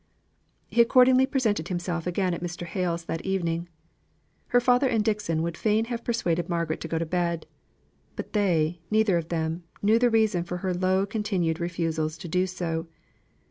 He accordingly presented himself again at Mr. Hale's that evening. Her father and Dixon would fain have persuaded Margaret to go to bed; but they, neither of them, knew the reason for her low continued refusals to do so.